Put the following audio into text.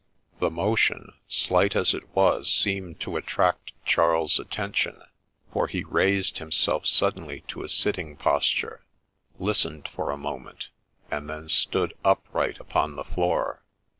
The motion, slight as it was, seemed to attract Charles's attention ; for he raised himself suddenly to a sitting posture, listened for a moment, and then stood upright upon the floor.